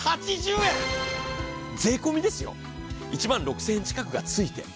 税込みですよ、１万６０００円近くが付いて。